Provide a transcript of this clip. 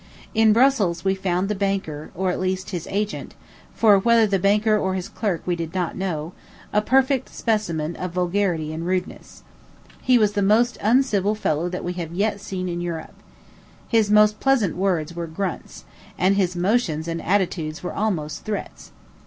In Brussels we found the banker, or, at least, his agent, for whether the banker or his clerk we did not know, a perfect specimen of vulgarity and rudeness. He was the most uncivil fellow that we have yet seen in Europe. His most pleasant words were grunts, and his motions and attitudes were almost threats.